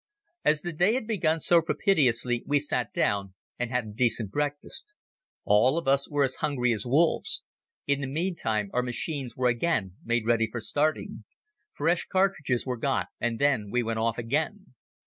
As the day had begun so propitiously we sat down and had a decent breakfast. All of us were as hungry as wolves. In the meantime our machines were again made ready for starting. Fresh cartridges were got and then we went off again.